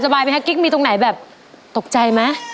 สบายมั้ยคะปนุ๊กมีตรงไหนแบบตกใจมั้ย